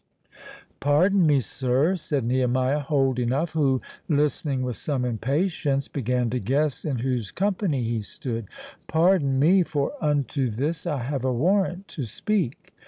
"Pardon me, sir," said Nehemiah Holdenough, who, listening with some impatience, began to guess in whose company he stood—"Pardon me, for unto this I have a warrant to speak."